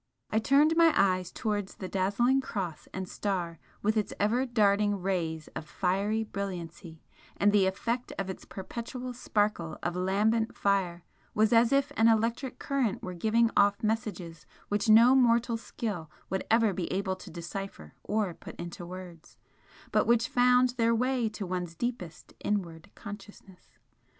I turned my eyes towards the dazzling Cross and Star with its ever darting rays of fiery brilliancy, and the effect of its perpetual sparkle of lambent fire was as if an electric current were giving off messages which no mortal skill would ever be able to decipher or put into words, but which found their way to one's deepest inward consciousness.